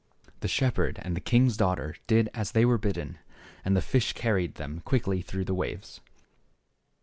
The shepherd and the king's daughter did as they were bidden, and the fish carried them quickly through the waves.